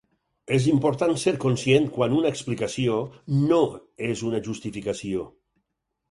És important ser conscient quan una explicació "no" és una justificació.